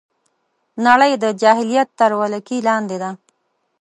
نړۍ د جاهلیت تر ولکې لاندې ده